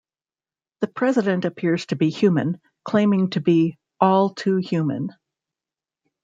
The president appears to be human, claiming to be "all too human".